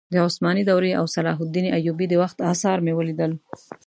د عثماني دورې او صلاح الدین ایوبي د وخت اثار مې ولیدل.